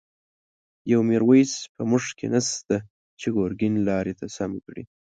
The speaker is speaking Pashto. یو«میرویس» په مونږ کی نشته، چه گرگین لاری ته سم کړی